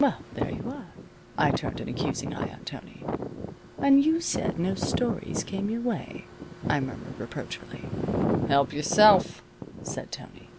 Well, there you are. I turned an accusing eye on Tony. "And you said no stories came your way," I murmured, reproachfully. "Help yourself," said Tony.